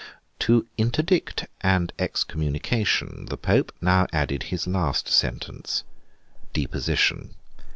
To Interdict and Excommunication, the Pope now added his last sentence; Deposition.